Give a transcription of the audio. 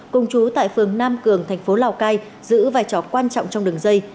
cùng chú tại phường nam cường thành phố lào cai giữ vai trò quan trọng trong đường dây